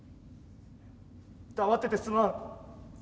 黙っててすまん。